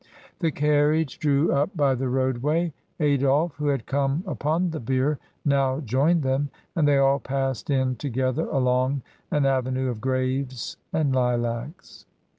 The carriage drew up 246 MRS. DYMOND. by the roadway; Adolphe, who had come upon the bier, now joined them, and they all passed in to gether along an avenue of graves and lilacs.